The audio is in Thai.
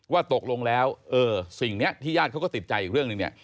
ว่าตกลงแล้วสิ่งนี้ที่ญาติเขาก็ติดใจอีกเรื่องหนึ่งเนี่ย